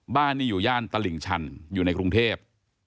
บ้านนี้อยู่ย่านตลิ่งชันอยู่ในกรุงเทพ